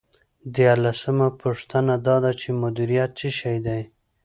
دیارلسمه پوښتنه دا ده چې مدیریت څه شی دی.